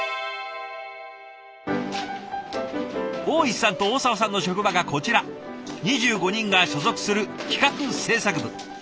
大石さんと大澤さんの職場がこちら２５人が所属する企画制作部。